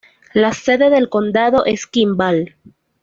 La sede del condado es Kimball.